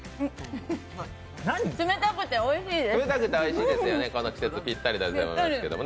冷たくておいしいです。